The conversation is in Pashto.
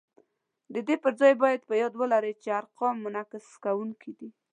د دې پر ځای باید په یاد ولرو چې ارقام منعکس کوونکي دي